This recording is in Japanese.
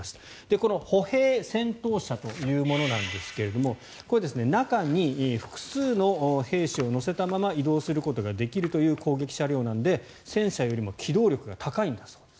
この歩兵戦闘車というものですがこれは中に複数の兵士を乗せたまま移動することができるという攻撃車両なので戦車よりも機動力が高いんだそうです。